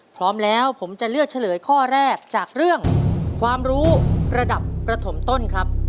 พร้อมแล้วผมจะเลือกเฉลยข้อแรกจากเรื่องความรู้ระดับประถมต้นครับ